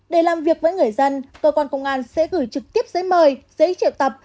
để làm việc với người dân cơ quan công an sẽ gửi trực tiếp giấy mời giấy triệu tập